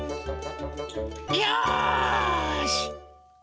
よし！